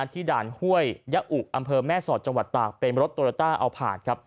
ที่ด่านห้วยยะอุอำเภอแม่สอดจังหวัดตากเป็นรถโตราต้าเอาผ่าน